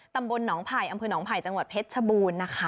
ตำบลหนองไผ่อำเภอหนองไผ่จังหวัดเพชรชบูรณ์นะคะ